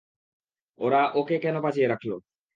ওরা ওকে কেন বাঁচিয়ে রাখল?